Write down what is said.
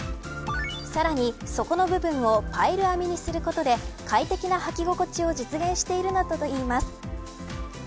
さらに、底の部分をパイル編みにすることで快適な履き心地を実現しているのだといいます。